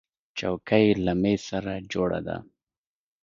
چوکۍ له مېز سره جوړه ده.